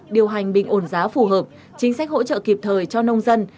điều hành bình ổn giá phù hợp chính sách hỗ trợ kịp thời cho nông dân